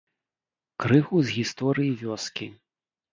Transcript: Крыху з гісторыі вёскі.